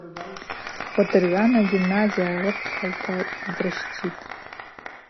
Уадыргӏвана агимназия арыпхьагӏвта дырщтитӏ.